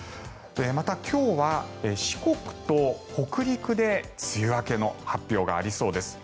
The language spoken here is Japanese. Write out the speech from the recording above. また、今日は四国と北陸で梅雨明けの発表がありそうです。